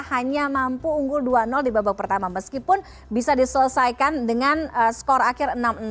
hanya mampu unggul dua di babak pertama meskipun bisa diselesaikan dengan skor akhir enam